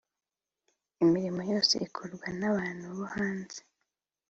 imirimo yose ikorwa n ‘abantu bo hanze.